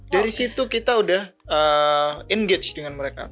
dari situ kita udah engage dengan mereka